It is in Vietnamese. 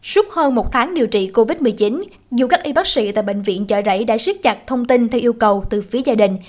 suốt hơn một tháng điều trị covid một mươi chín dù các y bác sĩ tại bệnh viện chợ rẫy đã siết chặt thông tin theo yêu cầu từ phía gia đình